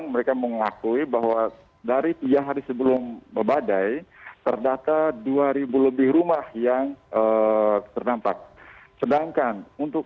masih belum terangkat